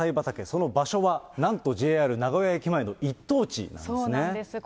その場所は、なんとＪＲ名古屋駅前の一等地なんですね。